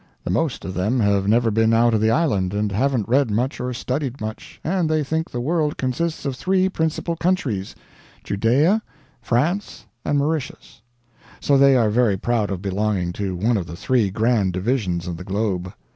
The most of them have never been out of the island, and haven't read much or studied much, and they think the world consists of three principal countries Judaea, France, and Mauritius; so they are very proud of belonging to one of the three grand divisions of the globe.